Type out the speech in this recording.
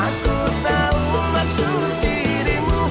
aku tahu maksud dirimu